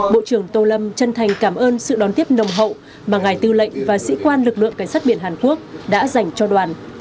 bộ trưởng tô lâm chân thành cảm ơn sự đón tiếp nồng hậu mà ngài tư lệnh và sĩ quan lực lượng cảnh sát biển hàn quốc đã dành cho đoàn